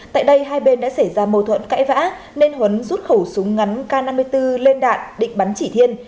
tại đây hai bên đã xảy ra mâu thuẫn cãi vã nên huấn rút khẩu súng ngắn k năm mươi bốn lên đạn định bắn chỉ thiên